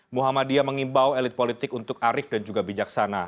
muhammadiyah mengimbau elit politik untuk arif dan juga bijaksana